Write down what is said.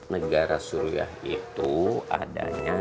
negara surya itu adanya